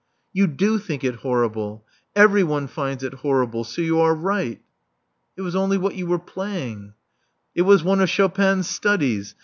"You do think it horrible. Everyone finds it horrible. So you are right. "It was only what you were playing *' "I was one of Chopin *s studies.